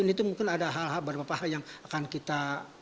dan itu mungkin ada hal hal yang akan kita